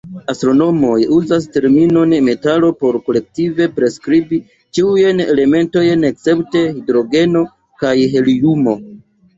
Astronomoj uzas la terminon "metalo" por kolektive priskribi ĉiujn elementojn escepte hidrogeno kaj heliumo.